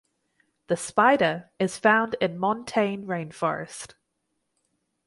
The spider is found in montane rainforest.